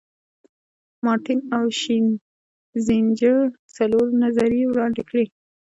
مارټین او شینزینجر څلور نظریې وړاندې کړي.